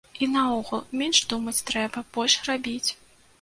І наогул, менш думаць трэба, больш рабіць.